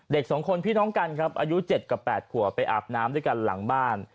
๒คนพี่น้องกันครับอายุ๗กับ๘ขัวไปอาบน้ำด้วยกันหลังบ้าน